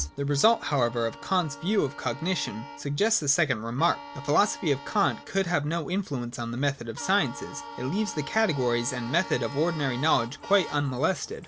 The result however of Kant's view of cognition sug gests a second remark. The philosophy of Kant could have no influence on the method of the sciences. It leaves the categories and method of ordinary knowledge quite unmolested.